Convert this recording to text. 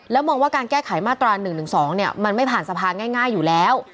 มองว่าการแก้ไขมาตรา๑๑๒มันไม่ผ่านสภาง่ายอยู่แล้ว